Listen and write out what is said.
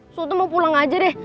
soto mau pulang aja deh